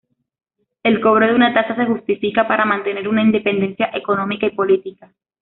El cobro de una tasa se justifica para mantener una independencia económica y política.